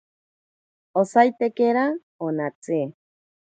Osaitekira onatsi.